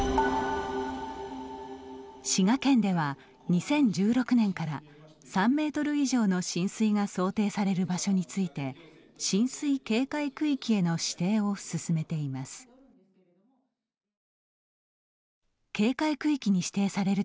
滋賀県では、２０１６年から３ｍ以上の浸水が想定される場所について浸水警戒区域への指定を進めています。